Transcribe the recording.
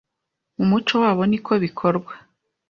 mu muco wabo niko bikorwa